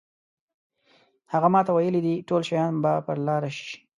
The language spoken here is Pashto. هغه ماته ویلي دي ټول شیان به پر لار شي.